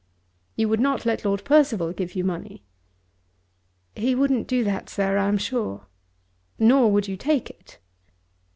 You would not let Lord Percival give you money." "He wouldn't do that, sir, I am sure." "Nor would you take it.